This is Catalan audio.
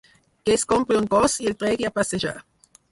Que es compri un gos i el tregui a passejar.